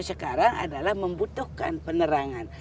sekarang adalah membutuhkan penerangan